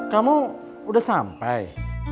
kamu udah sampai